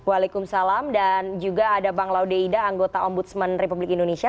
waalaikumsalam dan juga ada bang laude ida anggota ombudsman republik indonesia